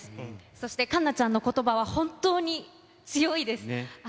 そして栞奈ちゃんのことばは本当に強いです。